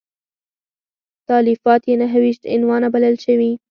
تالیفات یې نهه ویشت عنوانه بلل شوي.